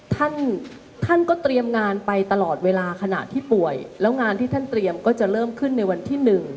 ท่านท่านก็เตรียมงานไปตลอดเวลาขณะที่ป่วยแล้วงานที่ท่านเตรียมก็จะเริ่มขึ้นในวันที่๑